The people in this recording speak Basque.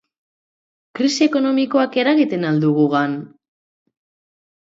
Krisi ekonomikoak eragiten al du gugan?